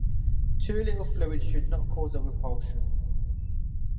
Too little fluid should not cause a repulsion.